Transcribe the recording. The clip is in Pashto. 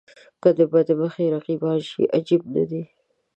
که بد مخي رقیبان شي عجب نه دی.